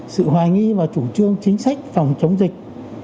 sự hoài nghi vào chủ trương chính sách phòng chống dịch